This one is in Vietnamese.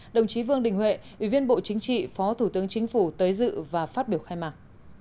đồng chí vương đình huệ ủy viên bộ chính trị phó thủ tướng chính phủ tới dự và phát biểu khai mạc